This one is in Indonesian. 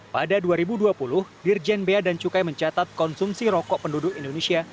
pada dua ribu dua puluh dirjen bea dan cukai mencatat konsumsi rokok penduduk indonesia